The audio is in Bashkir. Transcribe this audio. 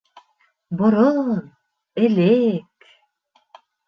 Борон, элек